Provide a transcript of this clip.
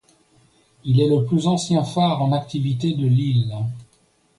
Il est le plus ancien phare en activité de l'île.